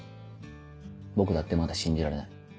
僕だってまだ信じられない。